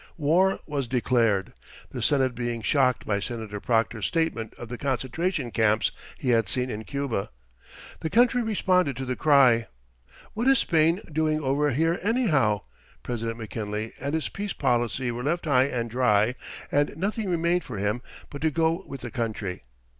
War was declared the Senate being shocked by Senator Proctor's statement of the concentration camps he had seen in Cuba. The country responded to the cry, "What is Spain doing over here anyhow?" President McKinley and his peace policy were left high and dry, and nothing remained for him but to go with the country.